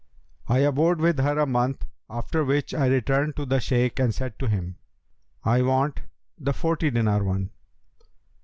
I abode with her a month, after which I returned to the Shaykh and said to him, 'I want the forty dinar one.'